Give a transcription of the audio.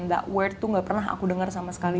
that word tuh nggak pernah aku dengar sama sekali